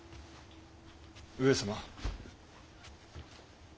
上様。